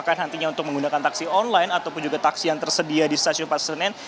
bahkan nantinya untuk menggunakan taksi online ataupun juga taksi yang tersedia di stasiun pasar senen